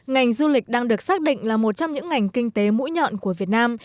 ngành du lịch đang được xác định là một trong những ngành kinh tế mũi nhọn của việt nam